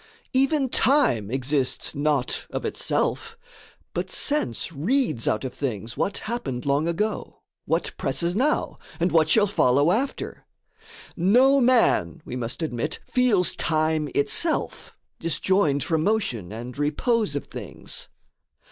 Even time exists not of itself; but sense Reads out of things what happened long ago, What presses now, and what shall follow after: No man, we must admit, feels time itself, Disjoined from motion and repose of things.